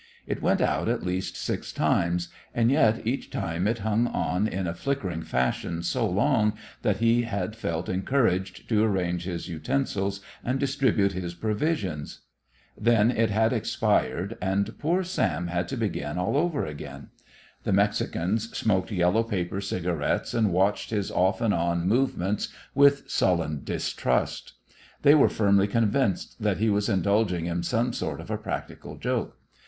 It went out at least six times, and yet each time it hung on in a flickering fashion so long that he had felt encouraged to arrange his utensils and distribute his provisions. Then it had expired, and poor Sam had to begin all over again. The Mexicans smoked yellow paper cigarettes and watched his off and on movements with sullen distrust; they were firmly convinced that he was indulging in some sort of a practical joke.